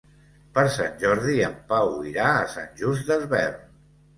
Per Sant Jordi en Pau irà a Sant Just Desvern.